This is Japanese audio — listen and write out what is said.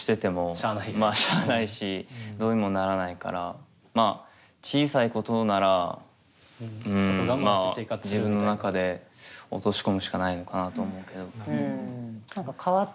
しゃあないしどうにもならないからまあ小さいことなら自分の中で落とし込むしかないのかなと思うけど。